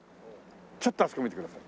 ちょっとあそこ見てください。